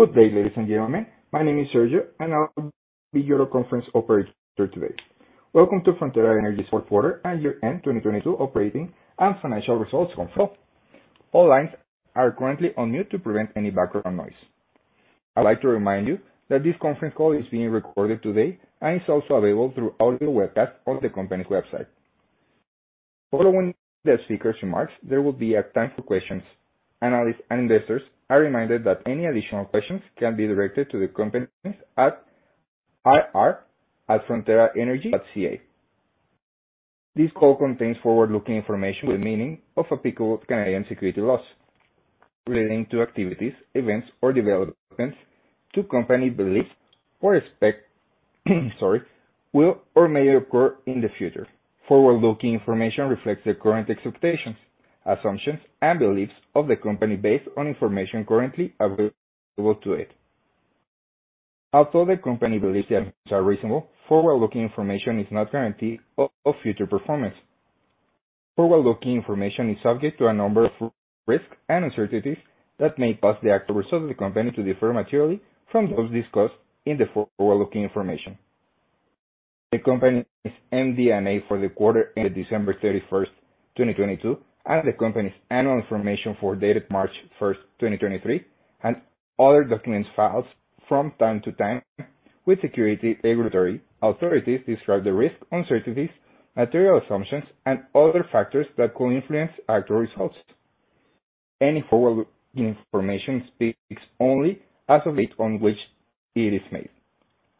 Good day, ladies and gentlemen. My name is Sergio, and I'll be your conference operator today. Welcome to Frontera Energy's Fourth Quarter and Year-End 2022 operating and financial results conference call. All lines are currently on mute to prevent any background noise. I'd like to remind you that this conference call is being recorded today and is also available through audio webcast on the company's website. Following the speaker's remarks, there will be a time for questions. Analysts and investors are reminded that any additional questions can be directed to the company at ir@fronteraenergy.ca. This call contains forward-looking information with meaning of applicable Canadian security laws relating to activities, events, or developments the company believes or expect will or may occur in the future. Forward-looking information reflects the current expectations, assumptions, and beliefs of the company based on information currently available to it. Although the company believes the information are reasonable, forward-looking information is not guaranteed of future performance. Forward-looking information is subject to a number of risks and uncertainties that may cause the actual results of the company to differ materially from those discussed in the forward-looking information. The company's MD&A for the quarter ended December 31st, 2022, and the company's annual information for dated March 1st, 2023, and other documents filed from time to time with security regulatory authorities describe the risks, uncertainties, material assumptions, and other factors that could influence actual results. Any forward-looking information speaks only as of date on which it is made.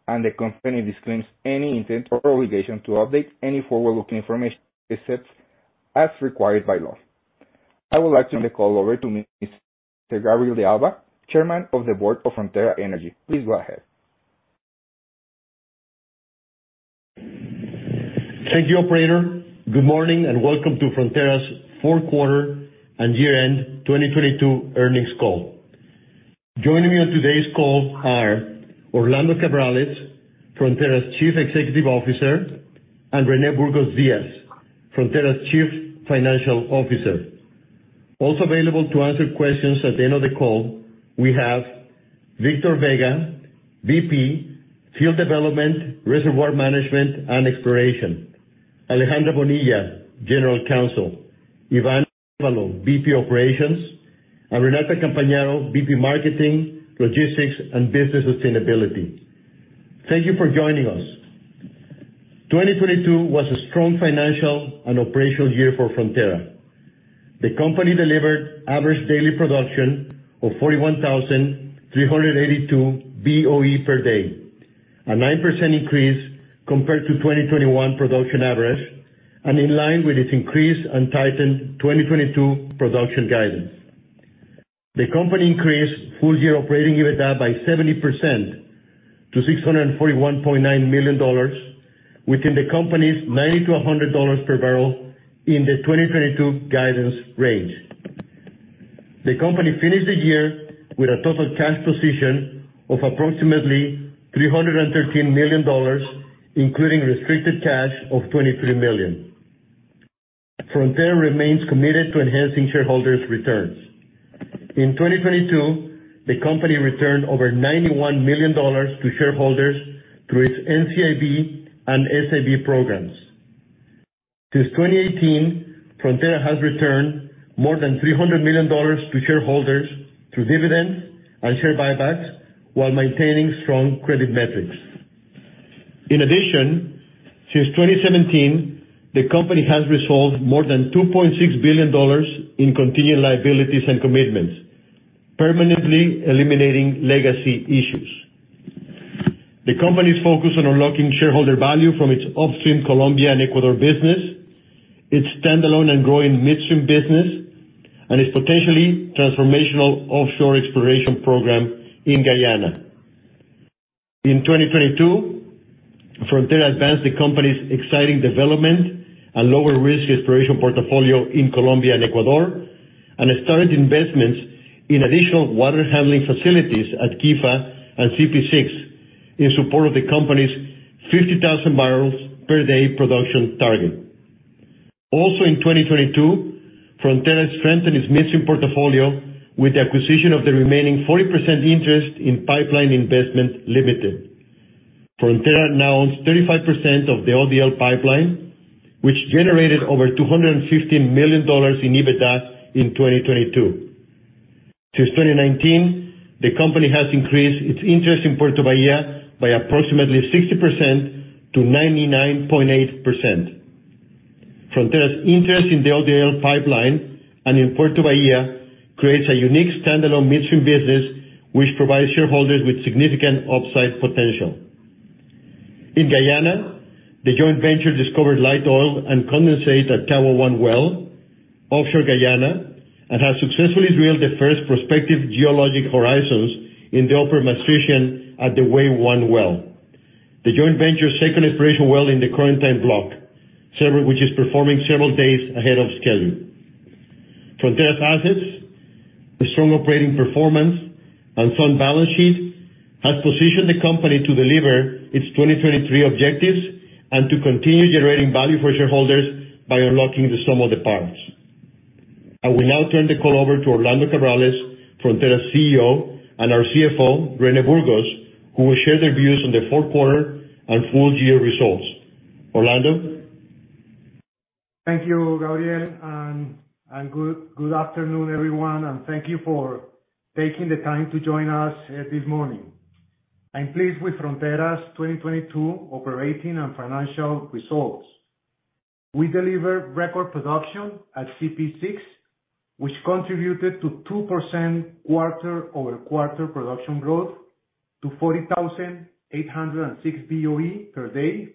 The company disclaims any intent or obligation to update any forward-looking information, except as required by law. I would like to turn the call over to Mr. Gabriel de Alba, Chairman of the Board of Frontera Energy. Please go ahead. Thank you, operator. Good morning, welcome to Frontera's fourth quarter and year-end 2022 earnings call. Joining me on today's call are Orlando Cabrales, Frontera's Chief Executive Officer, and Rene Burgos Diaz, Frontera's Chief Financial Officer. Also available to answer questions at the end of the call, we have Victor Vega, VP, Field Development, Reservoir Management, and Exploration. Alejandra Bonilla, General Counsel. Ivan Arevalo, VP, Operations, and Renata Campagnaro, VP, Marketing, Logistics, and Business Sustainability. Thank you for joining us. 2022 was a strong financial and operational year for Frontera. The company delivered average daily production of 41,382 BOE per day. A 9% increase compared to 2021 production average, and in line with its increased and tightened 2022 production guidance. The company increased full-year operating EBITDA by 70% to $641.9 million, within the company's $90-$100 per barrel in the 2022 guidance range. The company finished the year with a total cash position of approximately $313 million, including restricted cash of $23 million. Frontera remains committed to enhancing shareholders' returns. In 2022, the company returned over $91 million to shareholders through its NCIB and SIB programs. Since 2018, Frontera has returned more than $300 million to shareholders through dividends and share buybacks while maintaining strong credit metrics. Since 2017, the company has resolved more than $2.6 billion in continued liabilities and commitments, permanently eliminating legacy issues. The company is focused on unlocking shareholder value from its upstream Colombia and Ecuador business, its standalone and growing midstream business, and its potentially transformational offshore exploration program in Guyana. In 2022, Frontera advanced the company's exciting development and lower-risk exploration portfolio in Colombia and Ecuador, and started investments in additional water handling facilities at Quifa and CPE-6 in support of the company's 50,000 barrels per day production target. Also in 2022, Frontera strengthened its midstream portfolio with the acquisition of the remaining 40% interest in Pipeline Investments Limited. Frontera now owns 35% of the ODL pipeline, which generated over $215 million in EBITDA in 2022. Since 2019, the company has increased its interest in Puerto Bahía by approximately 60% to 99.8%. Frontera's interest in the ODL pipeline and in Puerto Bahía creates a unique standalone midstream business which provides shareholders with significant upside potential. In Guyana, the joint venture discovered light oil and condensate at Kawa-1 well, offshore Guyana, and has successfully drilled the first prospective geologic horizons in the upper Maastrichtian at the Wei-1 well. The joint venture's second exploration well in the Corentyne block, which is performing several days ahead of schedule. Has positioned the company to deliver its 2023 objectives, and to continue generating value for shareholders by unlocking the sum of the parts. I will now turn the call over to Orlando Cabrales, Frontera's CEO, and our CFO, Rene Burgos, who will share their views on the fourth quarter and full year results. Orlando. Thank you, Gabriel, and good afternoon, everyone, and thank you for taking the time to join us this morning. I'm pleased with Frontera's 2022 operating and financial results. We delivered record production at CPE-6, which contributed to 2% quarter-over-quarter production growth to 40,806 BOE per day,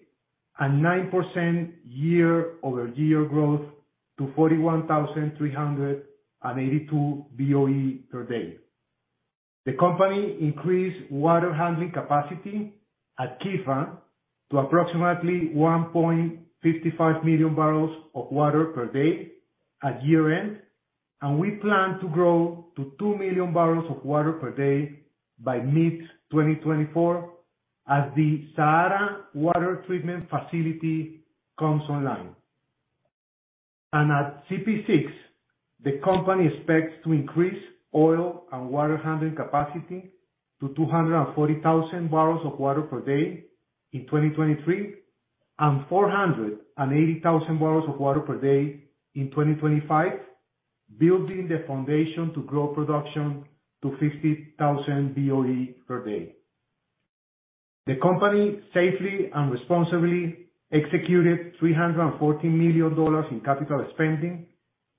and 9% year-over-year growth to 41,382 BOE per day. The company increased water handling capacity at Quifa to approximately 1.55 million barrels of water per day at year-end, and we plan to grow to 2 million barrels of water per day by mid-2024 as the SAARA water treatment facility comes online. At CPE-6, the company expects to increase oil and water handling capacity to 240,000 barrels of water per day in 2023, and 480,000 barrels of water per day in 2025, building the foundation to grow production to 50,000 BOE per day. The company safely and responsibly executed $314 million in capital spending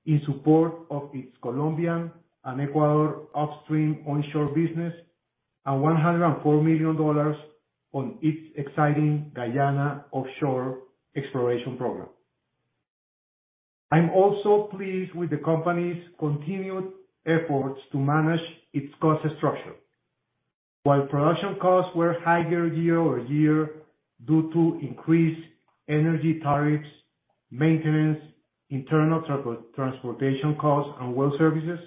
in support of its Colombian and Ecuador upstream onshore business, and $104 million on its exciting Guyana offshore exploration program. I'm also pleased with the company's continued efforts to manage its cost structure. While production costs were higher year-over-year due to increased energy tariffs, maintenance, internal trans-transportation costs, and well services,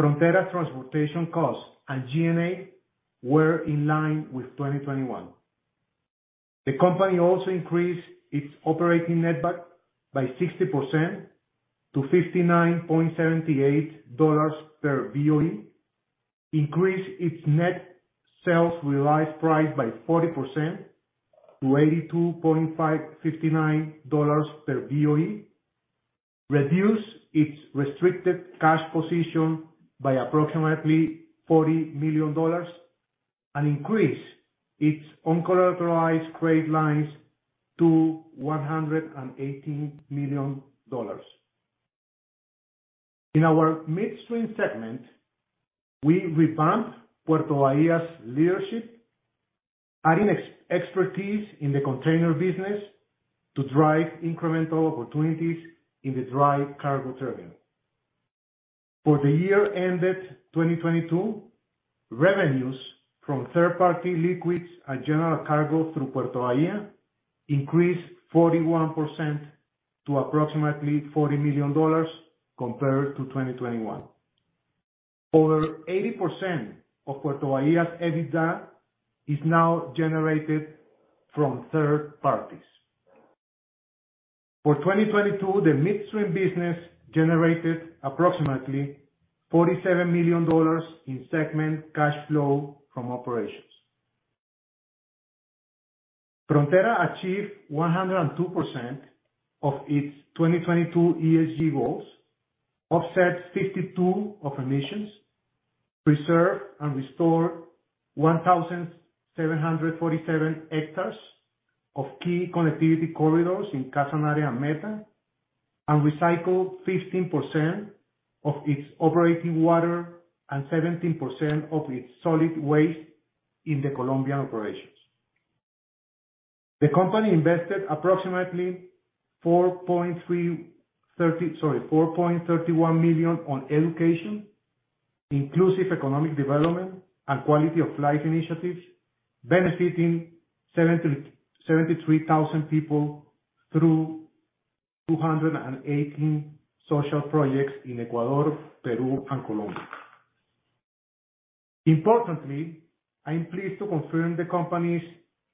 Frontera transportation costs and G&A were in line with 2021. The company also increased its operating netback by 60% to $59.78 per BOE. Increased its net sales realized price by 40% to $82.559 per BOE. Reduced its restricted cash position by approximately $40 million, and increased its uncollateralized credit lines to $180 million. In our midstream segment, we revamped Puerto Bahía's leadership, adding ex-expertise in the container business to drive incremental opportunities in the dry cargo terminal. For the year ended 2022, revenues from third-party liquids and general cargo through Puerto Bahía increased 41% to approximately $40 million compared to 2021. Over 80% of Puerto Bahía's EBITDA is now generated from third parties. For 2022, the midstream business generated approximately $47 million in segment cash flow from operations. Frontera achieved 102% of its 2022 ESG goals, offset 52 of emissions, preserved and restored 1,747 hectares of key connectivity corridors in Casanare and Meta, and recycled 15% of its operating water and 17% of its solid waste in the Colombian operations. The company invested approximately $4.31 million on education, inclusive economic development, and quality of life initiatives, benefiting 73,000 people through 218 social projects in Ecuador, Peru, and Colombia. I'm pleased to confirm the company's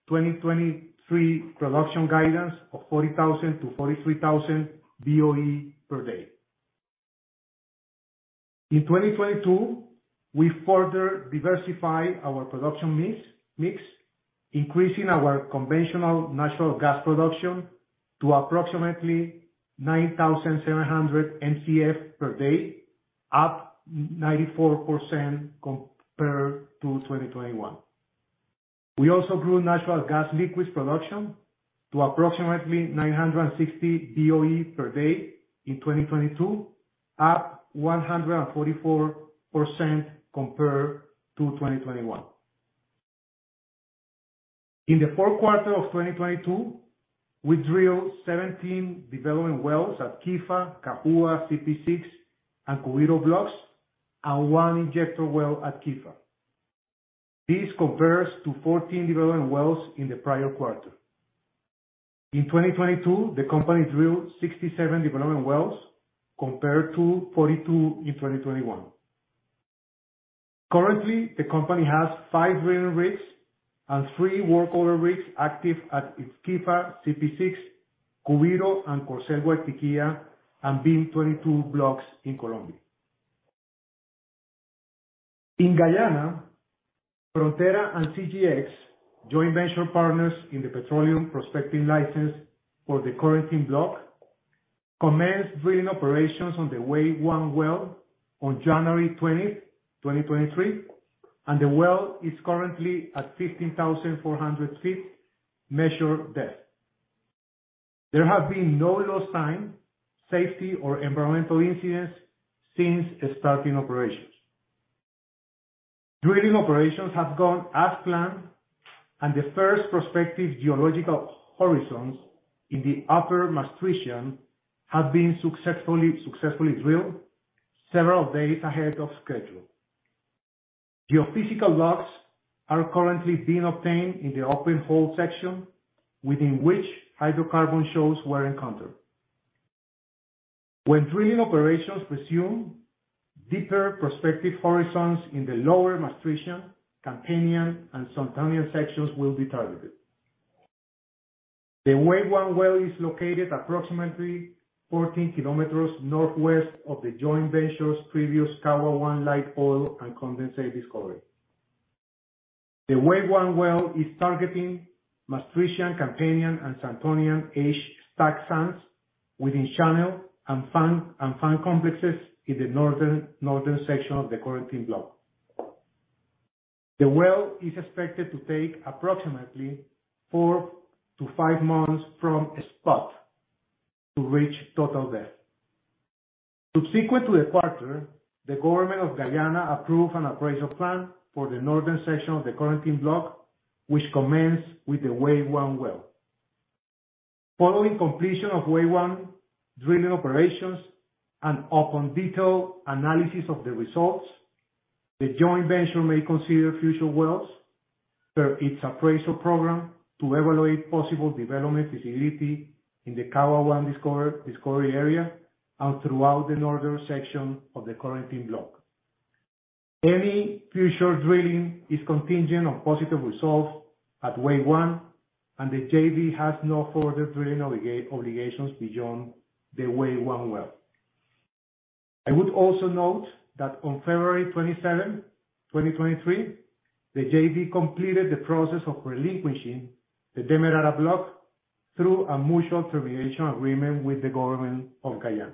2023 production guidance of 40,000-43,000 BOE per day. In 2022, we further diversify our production mix, increasing our conventional natural gas production to approximately 9,700 Mcf per day, up 94% compared to 2021. We also grew natural gas liquids production to approximately 960 BOE per day in 2022, up 144% compared to 2021. In the fourth quarter of 2022, we drilled 17 development wells at Quifa, Cajua, CPE-6, and Cubiro blocks, and 1 injector well at Quifa. This compares to 14 development wells in the prior quarter. In 2022, the company drilled 67 development wells compared to 42 in 2021. Currently, the company has 5 drilling rigs and 3 workover rigs active at its Quifa, CPE-6, Cubiro, Corcel, Piquia, and VIM-22 blocks in Colombia. In Guyana, Frontera and CGX, joint venture partners in the Petroleum Prospecting License for the Corentyne block, commenced drilling operations on the Wei-1 well on January 20th, 2023, and the well is currently at 15,400 feet measured depth. There have been no lost time, safety, or environmental incidents since starting operations. Drilling operations have gone as planned. The first prospective geological horizons in the upper Maastrichtian have been successfully drilled several days ahead of schedule. Geophysical logs are currently being obtained in the open hole section within which hydrocarbon shows were encountered. When drilling operations resume, deeper prospective horizons in the lower Maastrichtian, Campanian, and Santonian sections will be targeted. The Wei-1 well is located approximately 14 kilometers northwest of the joint venture's previous Kawa-1 light oil and condensate discovery. The Wei-1 well is targeting Maastrichtian, Campanian, and Santonian age stack sands within channel and fan complexes in the northern section of the Corentyne block. The well is expected to take approximately 4 to 5 months from spud to reach Total Depth. Subsequent to the quarter, the government of Guyana approved an appraisal plan for the northern section of the Corentyne block, which commenced with the Wei-1 well. Following completion of Wei-1 drilling operations and upon detailed analysis of the results, the joint venture may consider future wells per its appraisal program to evaluate possible development facility in the Kawa-1 discovery area and throughout the northern section of the Corentyne block. Any future drilling is contingent on positive results at Wei-1. The JV has no further drilling obligations beyond the Wei-1 well. I would also note that on February 27th, 2023, the JV completed the process of relinquishing the Demerara Block through a mutual termination agreement with the government of Guyana.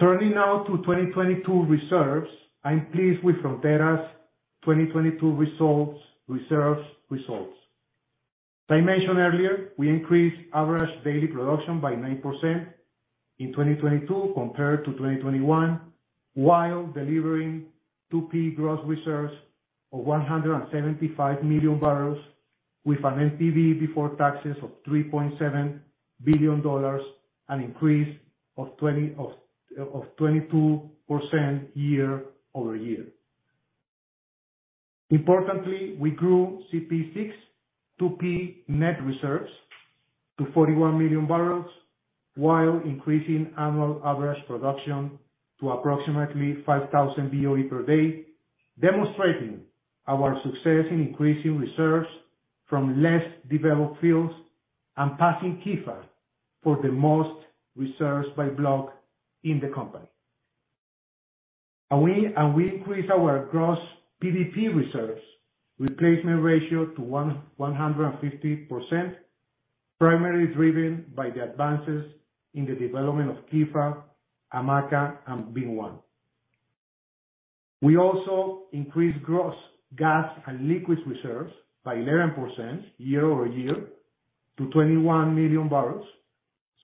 Turning now to 2022 reserves. I'm pleased with Frontera's 2022 reserves results. As I mentioned earlier, we increased average daily production by 9% in 2022 compared to 2021 while delivering 2P gross reserves of 175 million barrels with an NPV before taxes of $3.7 billion, an increase of 22% year-over-year. Importantly, we grew CPE-6 2P net reserves to 41 million barrels while increasing annual average production to approximately 5,000 BOE per day, demonstrating our success in increasing reserves from less developed fields and passing Quifa for the most reserves by block in the company. We increased our gross PDP reserves replacement ratio to 150%, primarily driven by the advances in the development of Quifa, Hamaca, and VIM-1. We also increased gross gas and liquids reserves by 11% year-over-year to 21 million barrels,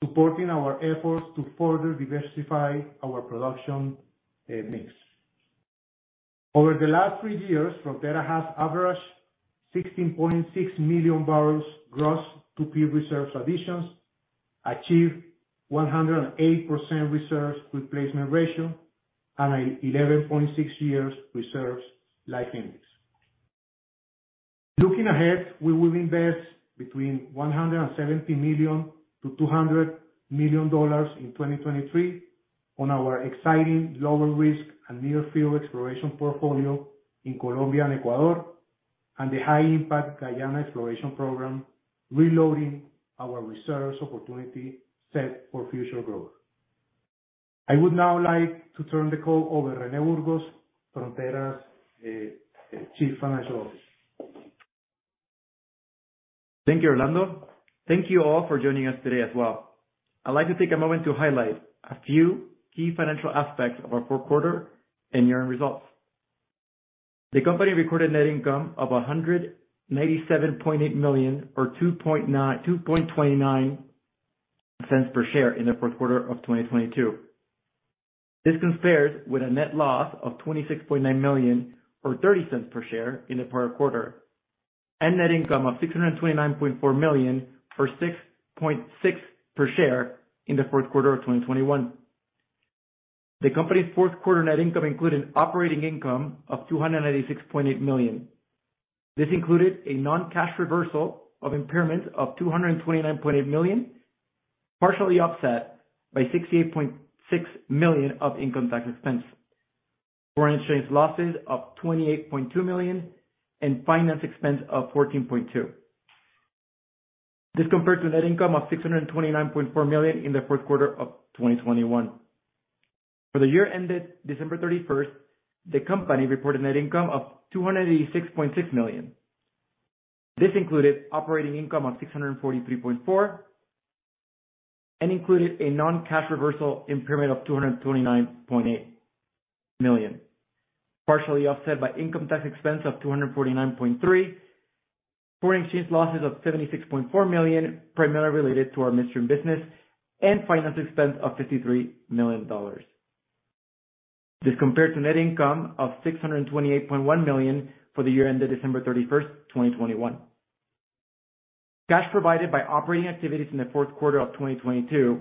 supporting our efforts to further diversify our production mix. Over the last 3 years, Frontera has averaged 16.6 million barrels gross 2P reserve additions, achieved 108% reserves replacement ratio, and an 11.6 years reserves life index. Looking ahead, we will invest between $170 million-$200 million in 2023 on our exciting lower risk and near field exploration portfolio in Colombia and Ecuador, and the high impact Guyana exploration program, reloading our reserves opportunity set for future growth. I would now like to turn the call over Rene Burgos, Frontera's Chief Financial Officer. Thank you, Orlando. Thank you all for joining us today as well. I'd like to take a moment to highlight a few key financial aspects of our fourth quarter and year-end results. The company recorded net income of $197.8 million or $0.0229 per share in the fourth quarter of 2022. This compares with a net loss of $26.9 million or $0.30 per share in the prior quarter, and net income of $629.4 million or $6.60 per share in the fourth quarter of 2021. The company's fourth quarter net income included operating income of $296.8 million. This included a non-cash reversal of impairment of $229.8 million, partially offset by $68.6 million of income tax expense. Foreign exchange losses of $28.2 million, and finance expense of $14.2 million. This compares to net income of $629.4 million in the fourth quarter of 2021. For the year ended December 31st, the company reported net income of $286.6 million. This included operating income of $643.4 million, and included a non-cash reversal impairment of $229.8 million. Partially offset by income tax expense of $249.3 million. Foreign exchange losses of $76.4 million, primarily related to our midstream business, and finance expense of $53 million. This compared to net income of $628.1 million for the year ended December 31st, 2021. Cash provided by operating activities in the fourth quarter of 2022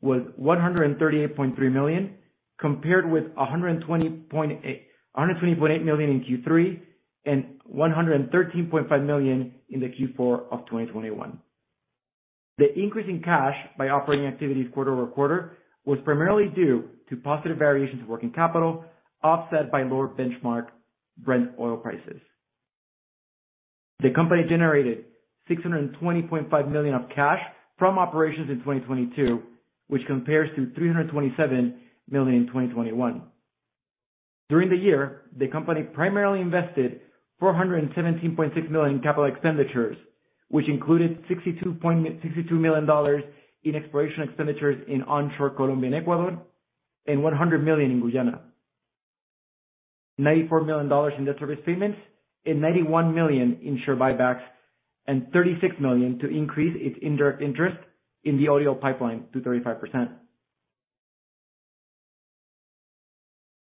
was $138.3 million, compared with $120.8 million in Q3, and $113.5 million in the Q4 of 2021. The increase in cash by operating activities quarter-over-quarter was primarily due to positive variations of working capital, offset by lower benchmark Brent oil prices. The company generated $620.5 million of cash from operations in 2022, which compares to $327 million in 2021. During the year, the company primarily invested $417.6 million in capital expenditures, which included $62 million in exploration expenditures in onshore Colombia and Ecuador, and $100 million in Guyana. $94 million in debt service payments, $91 million in share buybacks, and $36 million to increase its indirect interest in the ODL pipeline to 35%.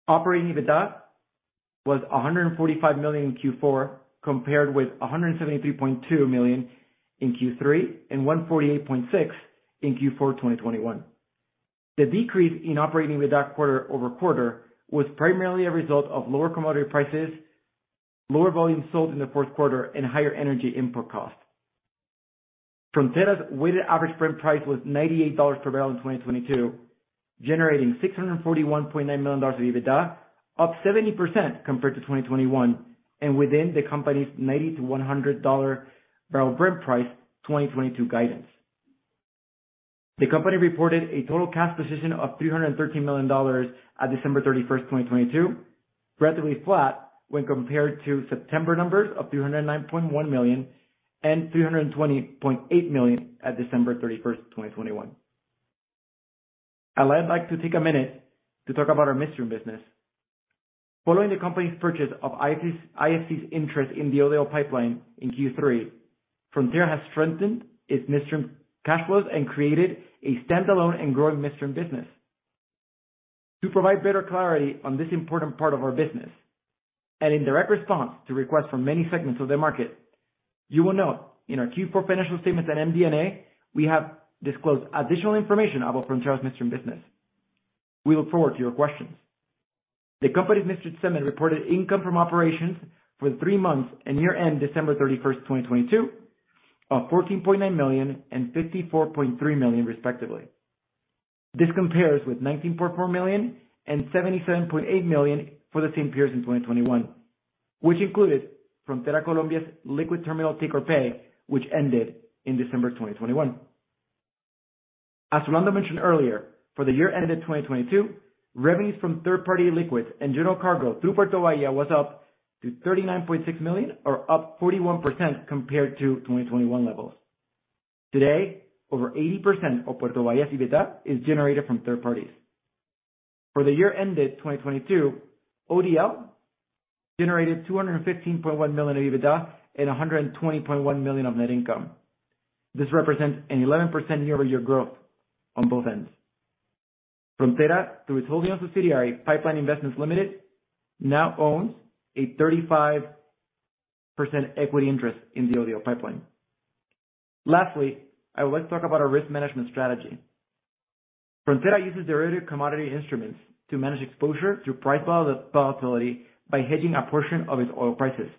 Operating EBITDA was $145 million in Q4, compared with $173.2 million in Q3, and $148.6 million in Q4 2021. The decrease in operating EBITDA quarter-over-quarter was primarily a result of lower commodity prices, lower volume sold in the fourth quarter, and higher energy input costs. Frontera's weighted average Brent price was $98 per barrel in 2022, generating $641.9 million of EBITDA, up 70% compared to 2021, and within the company's $90-$100 per barrel Brent price 2022 guidance. The company reported a total cash position of $313 million at December 31, 2022. Roughly flat when compared to September numbers of $309.1 million, and $320.8 million at December 31, 2021. I'd like to take a minute to talk about our midstream business. Following the company's purchase of IFC's interest in the ODL pipeline in Q3, Frontera has strengthened its midstream cash flows and created a standalone and growing midstream business. To provide better clarity on this important part of our business, in direct response to requests from many segments of the market, you will note in our Q4 financial statements at MD&A, we have disclosed additional information about Frontera's midstream business. We look forward to your questions. The company's midstream segment reported income from operations for the 3 months and year end December 31, 2022 of $14.9 million and $54.3 million, respectively. This compares with $19.4 million and $77.8 million for the same periods in 2021. Which included Frontera Colombia's liquid terminal take or pay, which ended in December 2021. As Rolando mentioned earlier, for the year ended 2022, revenues from third-party liquids and general cargo through Puerto Bahía was up to $39.6 million or up 41% compared to 2021 levels. Today, over 80% of Puerto Bahía's EBITDA is generated from third parties. For the year ended 2022, ODL generated $215.1 million of EBITDA and $120.1 million of net income. This represents an 11% year-over-year growth on both ends. Frontera, through its holding subsidiary, Pipeline Investments Limited, now owns a 35% equity interest in the ODL pipeline. I would like to talk about our risk management strategy. Frontera uses derivative commodity instruments to manage exposure through price volatility by hedging a portion of its oil prices.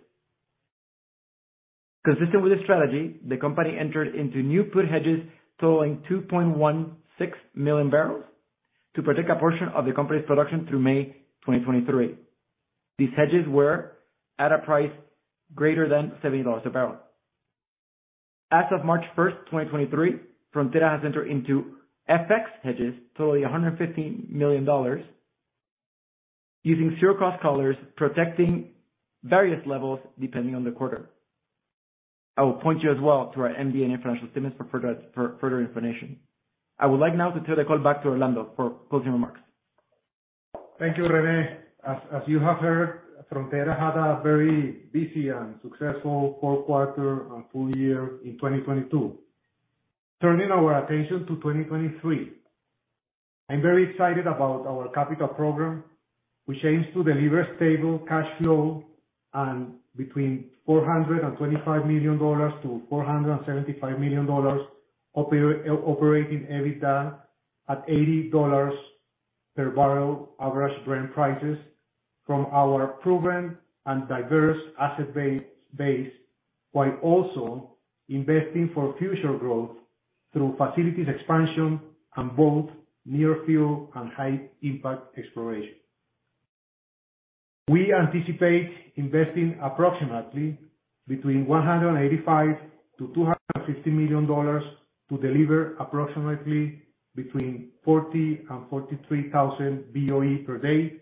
Consistent with this strategy, the company entered into new put hedges totaling 2.16 million barrels to protect a portion of the company's production through May 2023. These hedges were at a price greater than $70 a barrel. As of March 1, 2023, Frontera has entered into FX hedges totaling $150 million using zero-cost collars, protecting various levels depending on the quarter. I will point you as well to our MD&A financial statements for further information. I would like now to turn the call back to Rolando for closing remarks. Thank you, Rene. As you have heard, Frontera had a very busy and successful fourth quarter and full year in 2022. Turning our attention to 2023, I'm very excited about our capital program. We change to deliver stable cash flow and between $425 million-$475 million operating EBITDA at $80 per barrel average Brent prices from our proven and diverse asset base, while also investing for future growth through facilities expansion and both near field and high impact exploration. We anticipate investing approximately between $185 million-$250 million to deliver approximately between 40,000-43,000 BOE per day,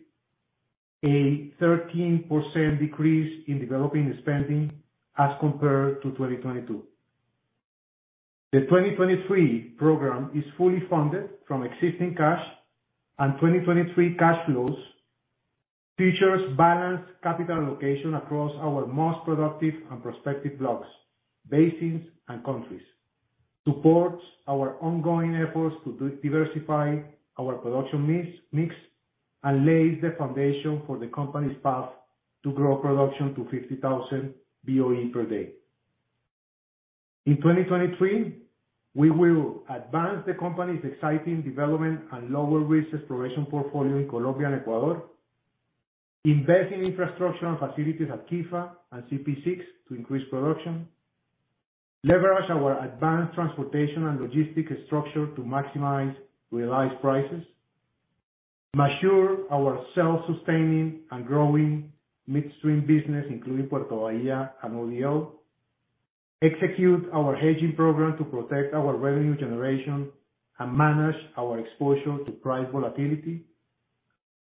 a 13% decrease in developing spending as compared to 2022. The 2023 program is fully funded from existing cash and 2023 cash flows, features balanced capital allocation across our most productive and prospective blocks, basins, and countries, supports our ongoing efforts to diversify our production mix, and lays the foundation for the company's path to grow production to 50,000 BOE per day. In 2023, we will advance the company's exciting development and lower risk exploration portfolio in Colombia and Ecuador, invest in infrastructure and facilities at Quifa and CPE-6 to increase production, leverage our advanced transportation and logistic structure to maximize realized prices, mature our self-sustaining and growing midstream business, including Puerto Bahía and ODL, execute our hedging program to protect our revenue generation and manage our exposure to price volatility,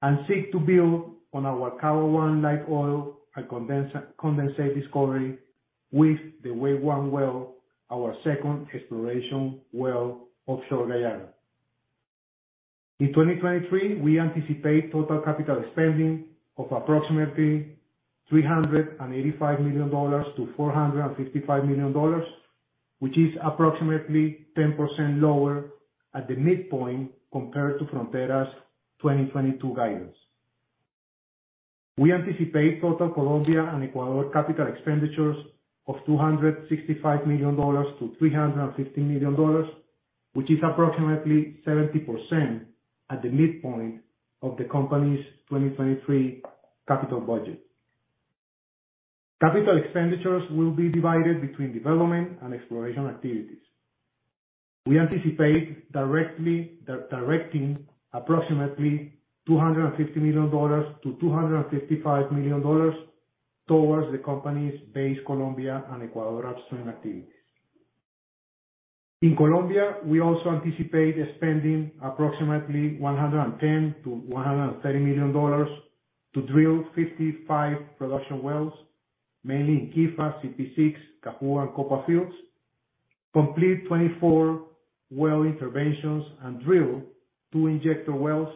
and seek to build on our Kawa-1 light oil and condensate discovery with the Wei-1 well, our second exploration well offshore Guyana. In 2023, we anticipate total capital spending of approximately $385 million-$455 million, which is approximately 10% lower at the midpoint compared to Frontera's 2022 guidance. We anticipate total Colombia and Ecuador capital expenditures of $265 million-$350 million, which is approximately 70% at the midpoint of the company's 2023 capital budget. Capital expenditures will be divided between development and exploration activities. We anticipate directly directing approximately $250 million-$255 million towards the company's base Colombia and Ecuador upstream activities. In Colombia, we also anticipate spending approximately $110 million-$130 million to drill 55 production wells, mainly in Quifa, CPE-6, Canapu and Copa fields. Complete 24 well interventions and drill 2 injector wells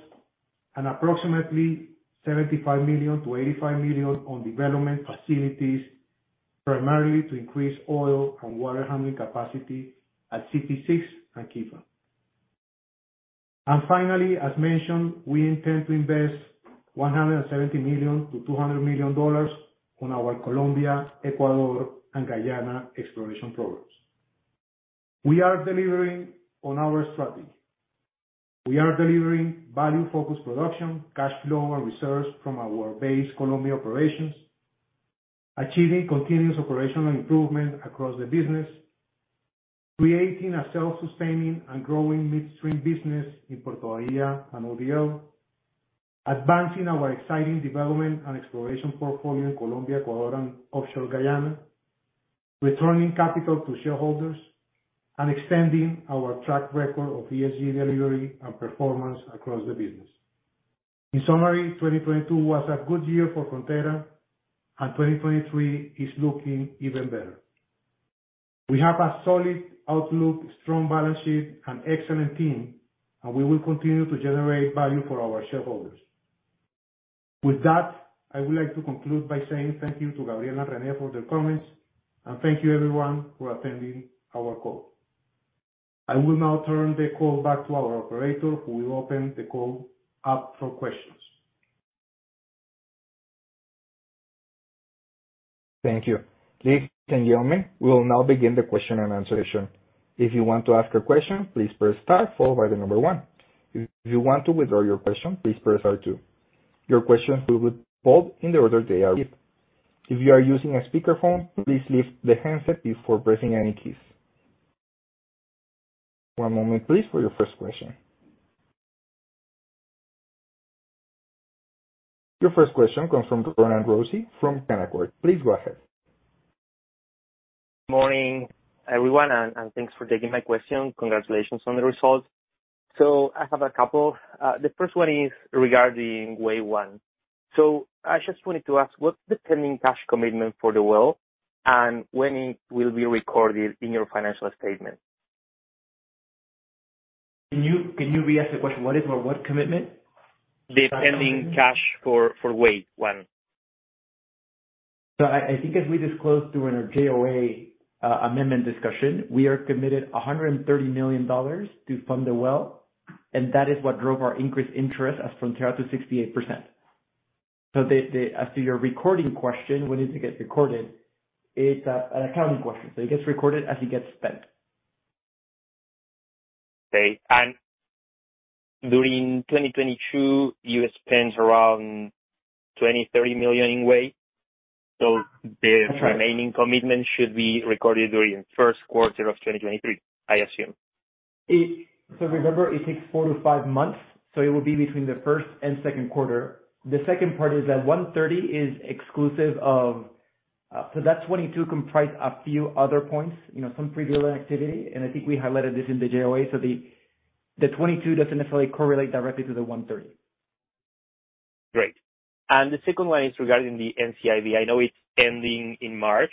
and approximately $75 million-$85 million on development facilities, primarily to increase oil and water handling capacity at CPE-6 and Quifa. Finally, as mentioned, we intend to invest $170 million-$200 million on our Colombia, Ecuador, and Guyana exploration programs. We are delivering on our strategy. We are delivering value focused production, cash flow and reserves from our base Colombia operations, achieving continuous operational improvement across the business, creating a self-sustaining and growing midstream business in Puerto Bahía and ODL, advancing our exciting development and exploration portfolio in Colombia, Ecuador and offshore Guyana, returning capital to shareholders, and extending our track record of ESG delivery and performance across the business. In summary, 2022 was a good year for Frontera, and 2023 is looking even better. We have a solid outlook, strong balance sheet and excellent team, and we will continue to generate value for our shareholders. With that, I would like to conclude by saying thank you to Gabriel and Rene for their comments, and thank you everyone for attending our call. I will now turn the call back to our operator who will open the call up for questions. Thank you. Ladies and gentlemen, we will now begin the question and answer session. If you want to ask a question, please press star followed by one. If you want to withdraw your question, please press star two. Your questions will be pulled in the order they are received. If you are using a speakerphone, please lift the handset before pressing any keys. One moment please for your first question. Your first question comes from Roman Rossi from Canaccord. Please go ahead. Morning, everyone, and thanks for taking my question. Congratulations on the results. I have a couple. The first one is regarding Wei-1. I just wanted to ask, what's the pending cash commitment for the well, and when it will be recorded in your financial statement? Can you re-ask the question? What if or what commitment? The pending cash for Wei-1. I think as we disclosed during our JOA amendment discussion, we are committed $130 million to fund the well, and that is what drove our increased interest as Frontera to 68%. As to your recording question, when does it get recorded? It's an accounting question, so it gets recorded as it gets spent. Okay. During 2022, you spent around $20 million-$30 million in way. The remaining commitment should be recorded during Q1 2023, I assume. Remember, it takes four to five months, so it will be between the first and second quarter. The second part is that 130 is exclusive of. That 22 comprise a few other points, you know, some pre-drill activity. I think we highlighted this in the JOA. The 22 doesn't necessarily correlate directly to the 130. Great. The second one is regarding the NCIB. I know it's ending in March.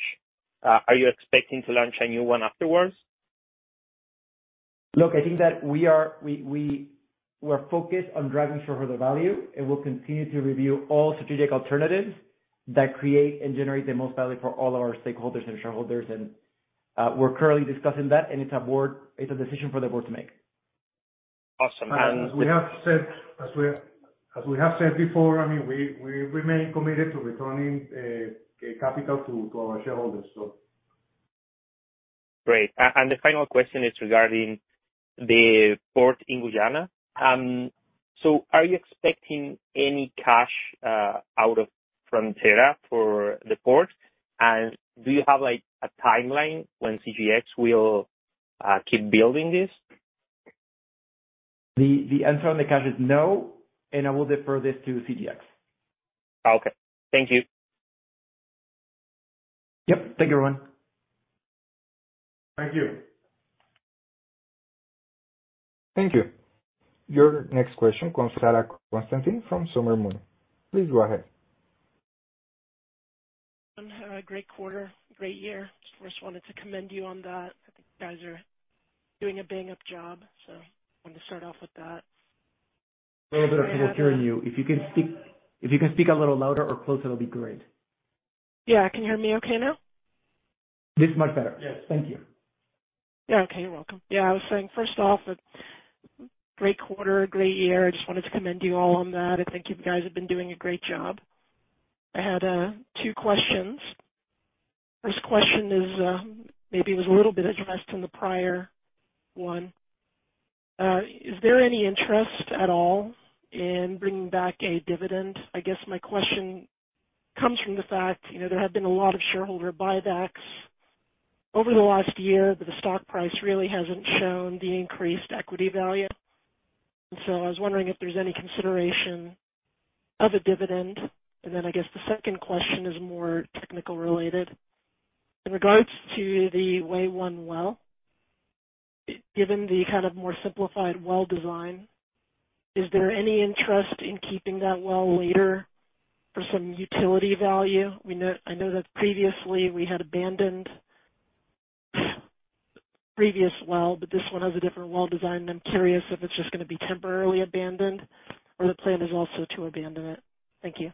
Are you expecting to launch a new one afterwards? Look, I think that we're focused on driving shareholder value, and we'll continue to review all strategic alternatives that create and generate the most value for all our stakeholders and shareholders. We're currently discussing that, and it's a board. It's a decision for the board to make. Awesome. As we have said before, I mean, we remain committed to returning capital to our shareholders, so. Great. The final question is regarding the port in Guyana. Are you expecting any cash out of Frontera for the port? Do you have, like, a timeline when CGX will keep building this? The answer on the cash is no, and I will defer this to CGX. Okay. Thank you. Yep. Thank you, everyone. Thank you. Thank you. Your next question comes Sara Konstantine from Summer Moon. Please go ahead. Great quarter, great year. Just first wanted to commend you on that. I think you guys are doing a bang-up job. Wanted to start off with that. Little bit of trouble hearing you. If you can speak a little louder or closer, that'll be great. Yeah. Can you hear me okay now? This is much better. Yes. Thank you. Yeah. Okay. You're welcome. Yeah. I was saying, first off, great quarter, great year. I just wanted to commend you all on that. I think you guys have been doing a great job. I had two questions. First question is, maybe it was a little bit addressed in the prior one. Is there any interest at all in bringing back a dividend? I guess my question comes from the fact, you know, there have been a lot of shareholder buybacks over the last year, but the stock price really hasn't shown the increased equity value. I was wondering if there's any consideration of a dividend. I guess the second question is more technical related. In regards to the Wei-1 well, given the kind of more simplified well design, is there any interest in keeping that well later for some utility value? I know that previously we had abandoned previous well, but this one has a different well design. I'm curious if it's just gonna be temporarily abandoned or the plan is also to abandon it. Thank you.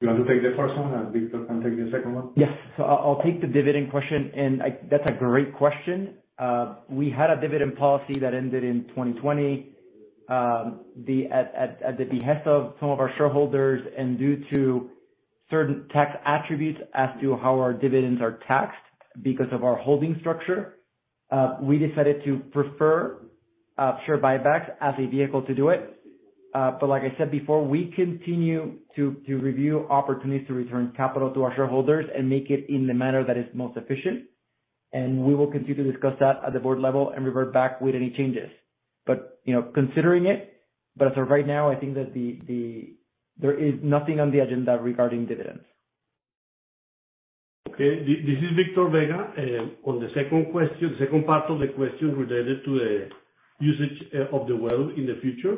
You want to take the first one, and Victor can take the second one? I'll take the dividend question. That's a great question. We had a dividend policy that ended in 2020. At the behest of some of our shareholders and due to certain tax attributes as to how our dividends are taxed because of our holding structure, we decided to prefer share buybacks as a vehicle to do it. Like I said before, we continue to review opportunities to return capital to our shareholders and make it in the manner that is most efficient. We will continue to discuss that at the board level and revert back with any changes. You know, considering it, but as of right now, I think that there is nothing on the agenda regarding dividends. Okay. This is Victor Vega. On the second question, second part of the question related to the usage of the well in the future.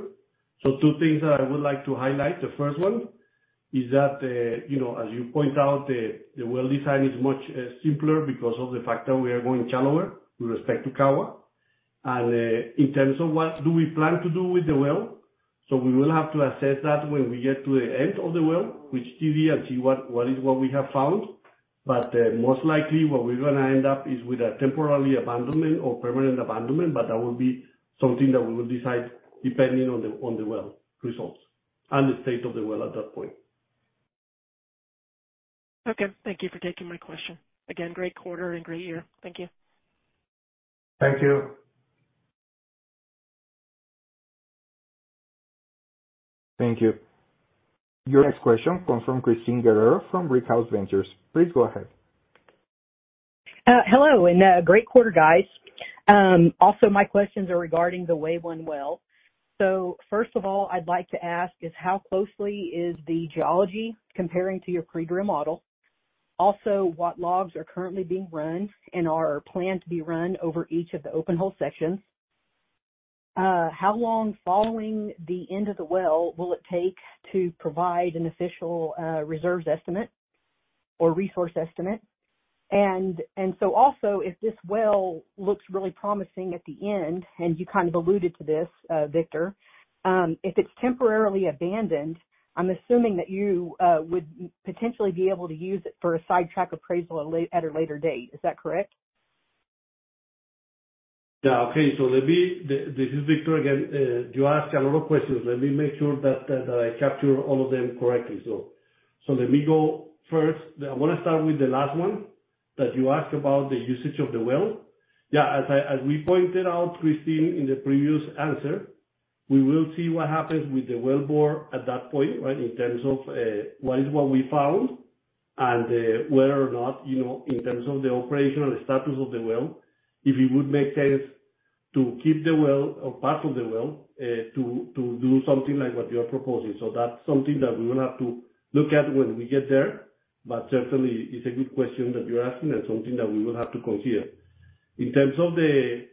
Two things that I would like to highlight. The first one is that, you know, as you point out, the well design is much simpler because of the fact that we are going shallower with respect to Kawa. In terms of what do we plan to do with the well, we will have to assess that when we get to the end of the well, which TD, and see what is what we have found. Most likely what we're gonna end up is with a temporary abandonment or permanent abandonment, but that will be something that we will decide depending on the well results and the state of the well at that point. Okay. Thank you for taking my question. Again, great quarter and great year. Thank you. Thank you. Thank you. Your next question comes from Christina Ronac from Brickhouse Ventures. Please go ahead. Hello and great quarter, guys. Also, my questions are regarding the Wei-1 well. First of all, I'd like to ask is how closely is the geology comparing to your pre-drill model? Also, what logs are currently being run and are planned to be run over each of the open hole sections? How long following the end of the well will it take to provide an official reserves estimate or resource estimate? Also, if this well looks really promising at the end, and you kind of alluded to this, Victor. If it's temporarily abandoned, I'm assuming that you would potentially be able to use it for a sidetrack appraisal at a later date. Is that correct? Okay. This is Victor again. You asked a lot of questions. Let me make sure that I capture all of them correctly. Let me go first. I wanna start with the last one that you asked about the usage of the well. As we pointed out, Christine, in the previous answer, we will see what happens with the well bore at that point, right? In terms of what is what we found and whether or not, you know, in terms of the operational status of the well, if it would make sense to keep the well or part of the well to do something like what you are proposing. That's something that we will have to look at when we get there. Certainly it's a good question that you're asking and something that we will have to consider. In terms of the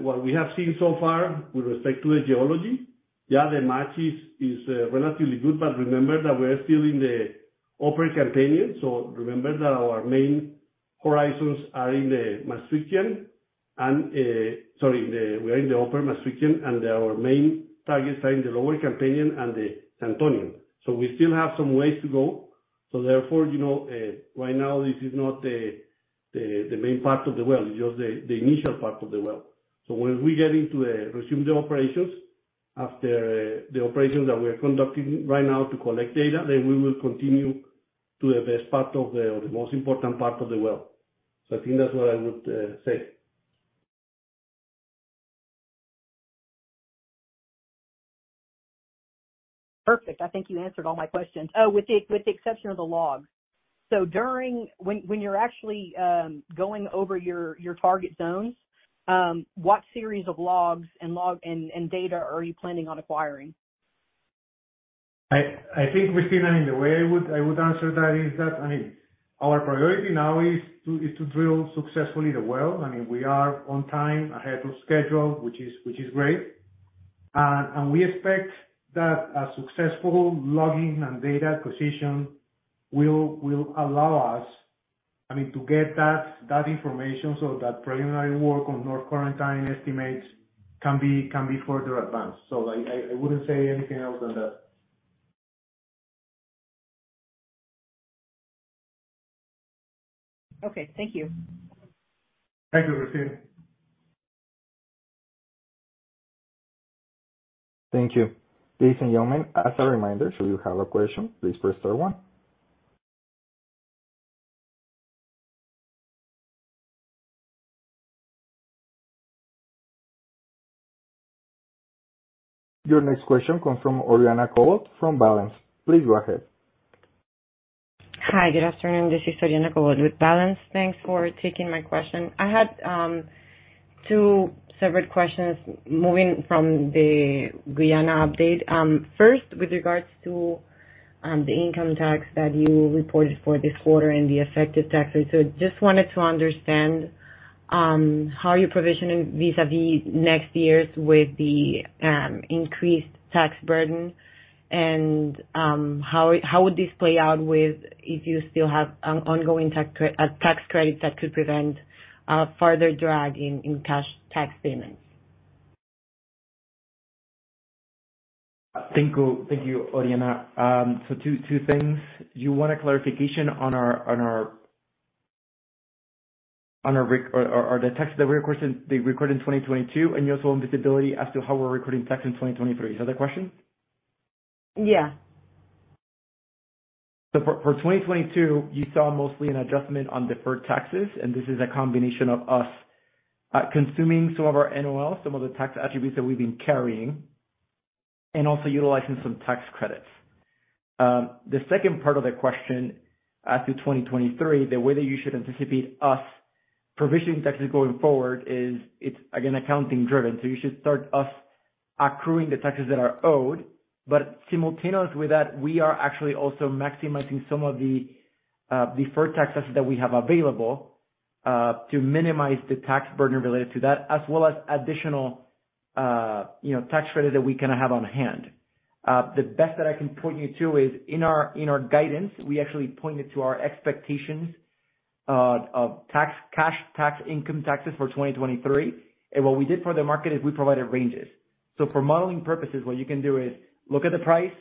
what we have seen so far with respect to the geology. Yeah, the match is relatively good, but remember that we're still in the upper Campanian. Remember that our main horizons are in the Maastrichtian. Sorry, we are in the upper Maastrichtian, and our main targets are in the lower Campanian and the Santonian. We still have some ways to go. Therefore, you know, right now this is not the main part of the well, it's just the initial part of the well. When we get into resume the operations after the operations that we are conducting right now to collect data, then we will continue to the most important part of the well. I think that's what I would say. Perfect. I think you answered all my questions. Oh, with the exception of the logs. When you're actually going over your target zones, what series of logs and data are you planning on acquiring? I think, Christina, the way I would answer that is that, I mean, our priority now is to drill successfully the well. I mean, we are on time, ahead of schedule, which is great. We expect that a successful logging and data acquisition will allow us, I mean, to get that information so that preliminary work on North Corentyne estimates can be further advanced. I wouldn't say anything else than that. Okay. Thank you. Thank you, Christina. Thank you. Ladies and gentlemen, as a reminder, should you have a question, please press star one. Your next question comes from Oriana Corvi from Balanz. Please go ahead. Hi. Good afternoon. This is Oriana Corvi with Balanz. Thanks for taking my question. I had two separate questions moving from the Guyana update. First, with regards to the income tax that you reported for this quarter and the effective tax rate. Just wanted to understand how you're provisioning vis-a-vis next year's with the increased tax burden. How would this play out with if you still have an ongoing tax credit that could prevent further drag in cash tax payments? Thank you. Thank you, Oriana. 2 things. You want a clarification on our on the tax that we recorded in 2022, and you also want visibility as to how we're recording tax in 2023. Is that the question? Yeah. For 2022, you saw mostly an adjustment on deferred taxes. This is a combination of us consuming some of our NOLs, some of the tax attributes that we've been carrying, and also utilizing some tax credits. The second part of the question as to 2023, the way that you should anticipate us provisioning taxes going forward is it's again, accounting driven. You should start us accruing the taxes that are owed. Simultaneously with that, we are actually also maximizing some of the deferred tax assets that we have available to minimize the tax burden related to that as well as additional, you know, tax credits that we kind of have on hand. The best that I can point you to is in our, in our guidance, we actually pointed to our expectations of tax, cash tax, income taxes for 2023. What we did for the market is we provided ranges. For modeling purposes, what you can do is look at the price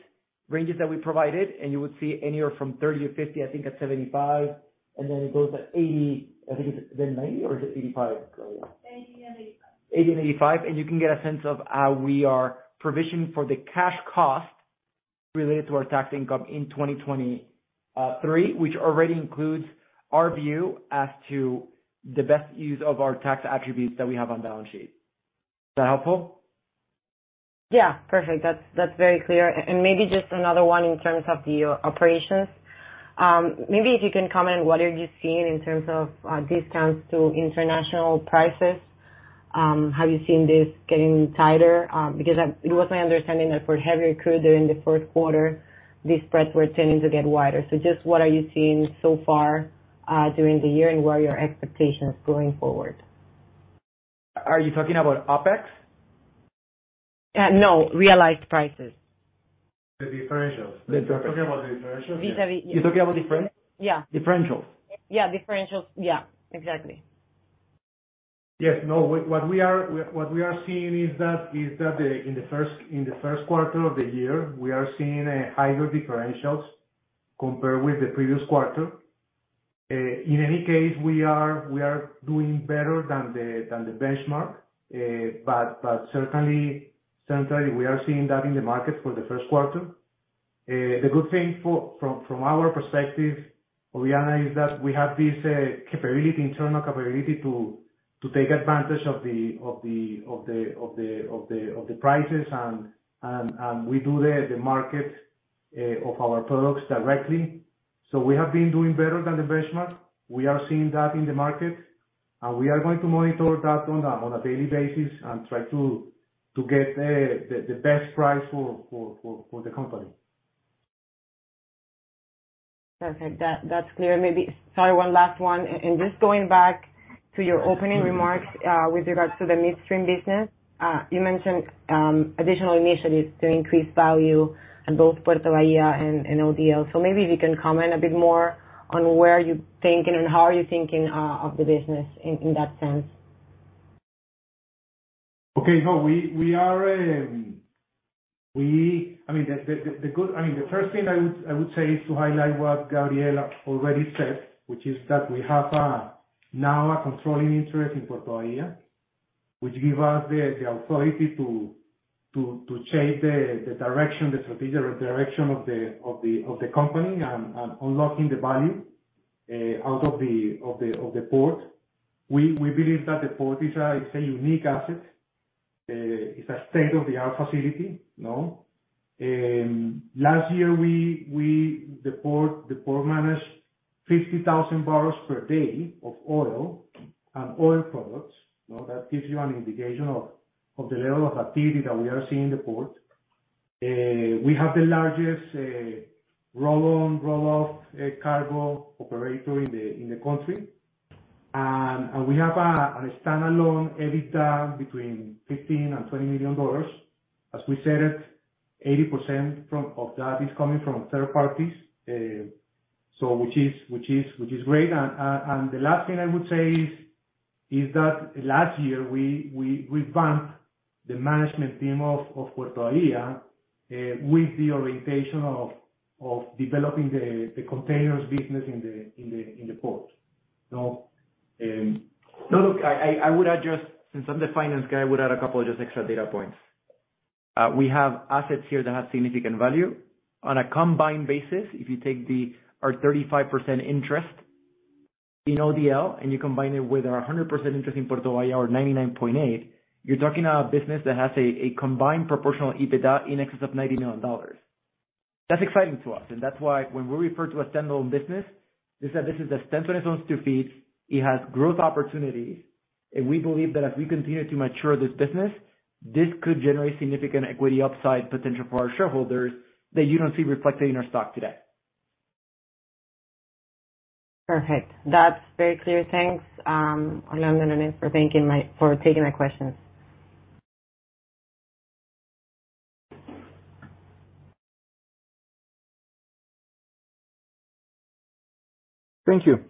ranges that we provided, and you would see anywhere from $30-$50, I think at $75, and then it goes at $80. I think it's then $90 or is it $85, Gloria? 80 and 85. 80 and 85. You can get a sense of how we are provisioning for the cash cost related to our tax income in 2023, which already includes our view as to the best use of our tax attributes that we have on the balance sheet. Is that helpful? Yeah. Perfect. That's very clear. Maybe just another one in terms of the operations. Maybe if you can comment, what are you seeing in terms of discounts to international prices? Have you seen this getting tighter? It was my understanding that for heavy crude during the fourth quarter, these spreads were tending to get wider. Just what are you seeing so far during the year, and what are your expectations going forward? Are you talking about OpEx? No, realized prices. The differentials. The differentials. You're talking about the differentials? Vis-a-vis. You're talking about differen- Yeah. Differentials? Yeah, differentials. Yeah, exactly. Yes. No. What we are seeing is that the in the first quarter of the year, we are seeing a higher differentials compared with the previous quarter. In any case, we are doing better than the benchmark. But certainly we are seeing that in the market for the first quarter. The good thing from our perspective, Oriana, is that we have this capability, internal capability to take advantage of the prices. We do the market of our products directly. We have been doing better than the benchmark. We are seeing that in the market. We are going to monitor that on a daily basis and try to get the best price for the company. Perfect. That's clear. Maybe sorry, one last one. Just going back to your opening remarks, with regards to the midstream business. You mentioned, additional initiatives to increase value in both Puerto Bahía and ODL. Maybe if you can comment a bit more on where you're thinking and how are you thinking of the business in that sense. Okay. No, we are, I mean, the first thing I would say is to highlight what Gabriela already said, which is that we have, now a controlling interest in Puerto Bahía, which give us the authority to change the direction, the strategic direction of the company and unlocking the value out of the port. We believe that the port is a unique asset. It's a state-of-the-art facility. No? Last year, we, the port managed 50,000 barrels per day of oil and oil products. No? That gives you an indication of the level of activity that we are seeing in the port. We have the largest roll-on/roll-off cargo operator in the country. We have a standalone EBITDA between $15 million-$20 million. As we said it, 80% of that is coming from third parties. So, which is great. The last thing I would say is that last year, we revamped the management team of Puerto Bahía with the orientation of developing the containers business in the port. So. No, look, I would add just... Since I'm the finance guy, I would add a couple of just extra data points. We have assets here that have significant value. On a combined basis, if you take our 35% interest in ODL, and you combine it with our 100% interest in Puerto Bahía or 99.8, you're talking about a business that has a combined proportional EBITDA in excess of $90 million. That's exciting to us, and that's why when we refer to a standalone business, this is a business that stands on its own two feet. It has growth opportunities. We believe that if we continue to mature this business, this could generate significant equity upside potential for our shareholders that you don't see reflected in our stock today. Perfect. That's very clear. Thanks, Orlando and Rene, for taking my questions. Thank you.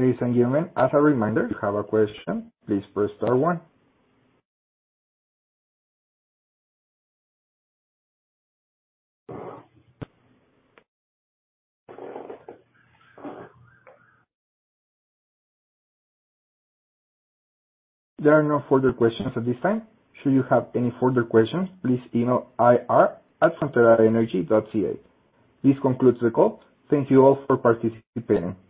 Ladies and gentlemen, as a reminder, if you have a question, please press star one. There are no further questions at this time. Should you have any further questions, please email ir@fronteraenergy.ca. This concludes the call. Thank you all for participating.